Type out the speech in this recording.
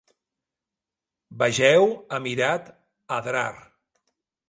Vegeu Emirat d'Adrar.